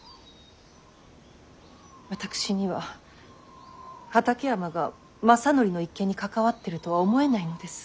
私には畠山が政範の一件に関わってるとは思えないのです。